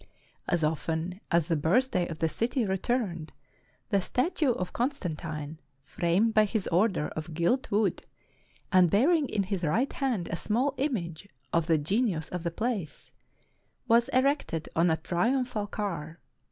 As often as the birthday of the city re turned, the statue of Constantine, framed by his order, of gilt wood, and bearing in his right hand a small image of the genius of the place, was erected on a triumphal car.